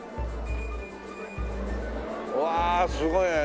うわすごいね。